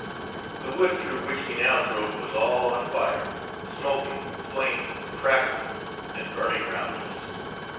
The wood through which we now drove was all on fire, smoking, flaming, crackling, and burning round us.